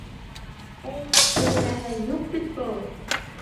Әй, әттәгенәһе, юҡ бит был.